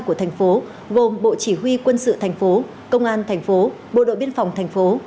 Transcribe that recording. của thành phố gồm bộ chỉ huy quân sự thành phố công an thành phố bộ đội biên phòng thành phố